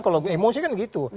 kalau emosi kan gitu